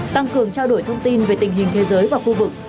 tăng cường trao đổi thông tin về tình hình thế giới và khu vực